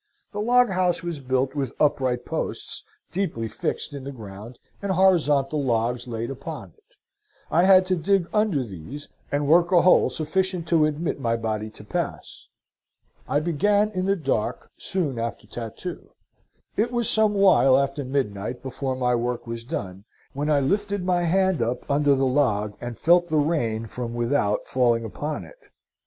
The log house was built with upright posts, deeply fixed in the ground, and horizontal logs laid upon it. I had to dig under these, and work a hole sufficient to admit my body to pass. I began in the dark, soon after tattoo. It was some while after midnight before my work was done, when I lifted my hand up under the log and felt the rain from without falling upon it.